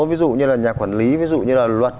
ví dụ như là nhà quản lý ví dụ như là luật